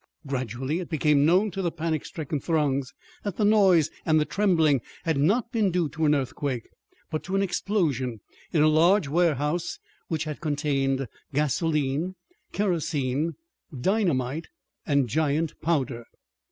Gradually it became known to the panic stricken throngs that the noise and the trembling had not been due to an earthquake, but to an explosion in a large warehouse which had contained gasoline, kerosene, dynamite and giant powder!